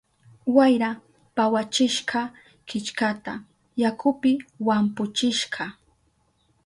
Wayra pawachishka killkata, yakupi wampuchishka.